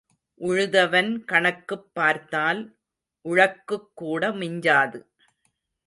உழுதவன் கணக்குப் பார்த்தால் உழக்குக்கூட மிஞ்சாது.